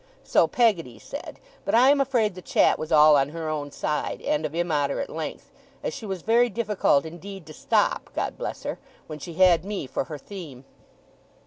So Peggotty said; but I am afraid the chat was all on her own side, and of immoderate length, as she was very difficult indeed to stop, God bless her! when she had me for her theme.